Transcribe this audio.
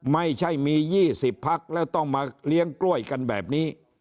ไม่ใช่มี๒๐พักแล้วต้องมาเลี้ยงกล้วยกันแบบนี้